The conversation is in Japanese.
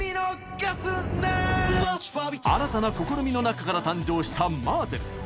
新たな試みの中から誕生したＭＡＺＺＥＬ。